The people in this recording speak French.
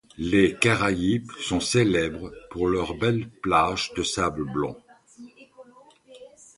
Les Caraïbes sont célèbres pour leurs belles plages de sable blanc.